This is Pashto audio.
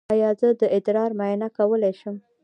ایا زه د ادرار معاینه کولی شم؟